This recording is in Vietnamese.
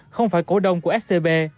không phải cổ đông của scb